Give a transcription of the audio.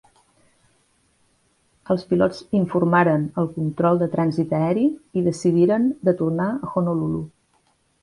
Els pilots informaren el Control de Trànsit Aeri i decidiren de tornar a Honolulu.